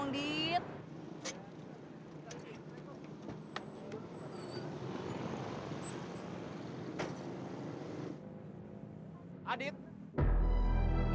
tapi kamu kullanakan pes distributed counter ini